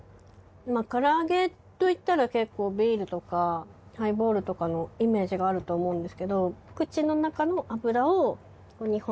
から揚げといったら結構ビールとかハイボールとかのイメージがあると思うんですけど。